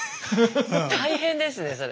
大変ですねそれ。